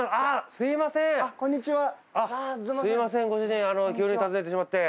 すみませんご主人急に訪ねてしまって。